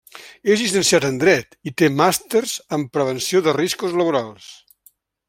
És llicenciat en Dret i té màsters en Prevenció de Riscos Laborals.